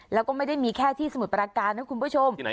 แล้วก็ไม่ได้มีแค่ที่สมุทรปราการนะคุณผู้ชม